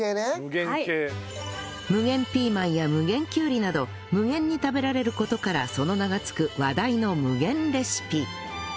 無限ピーマンや無限きゅうりなど無限に食べられる事からその名が付く話題の無限レシピ